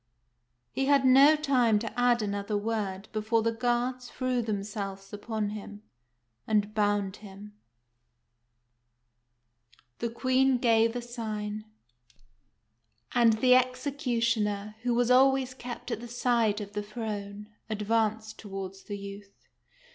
He had no time to add another word before the guards threw themselves upon him, and bound him. The Queen gave 50 THE FAIRY SPINNING WHEEL a sign ; and the executioner, who was always kept at the side of the throne, advanced towards the youth.